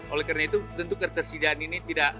oleh karena itu tentu ketersediaan ini tidak